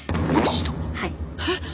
はい。